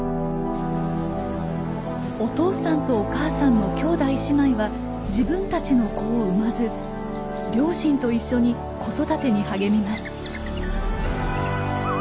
お父さんとお母さんの兄弟姉妹は自分たちの子を産まず両親と一緒に子育てに励みます。